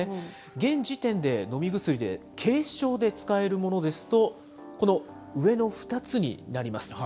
現時点で飲み薬で軽症で使えるものですと、この上の２つになります。